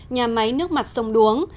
nhà máy nước mặt sông đuống